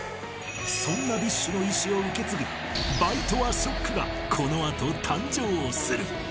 そんなＢｉＳＨの意志を受け継ぐＢｉＴＥＡＳＨＯＣＫがこのあと誕生する。